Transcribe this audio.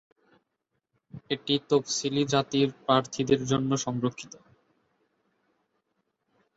এটি তফসিলি জাতির প্রার্থীদের জন্য সংরক্ষিত।